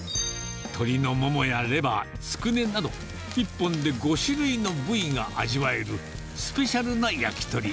鶏のモモやレバー、つくねなど、１本で５種類の部位が味わえる、スペシャルな焼き鳥。